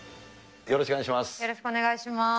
よろしくお願いします。